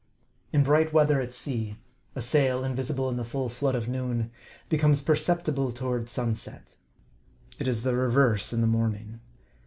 In bright weather at sea, a sail, invisible in the full flood of noon, becomes perceptible toward sunset. It is the re verse in the morning.